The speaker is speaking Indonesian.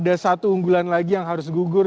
dan satu unggulan lagi yang harus gugur